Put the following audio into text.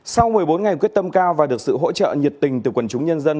sau một mươi bốn ngày quyết tâm cao và được sự hỗ trợ nhiệt tình từ quần chúng nhân dân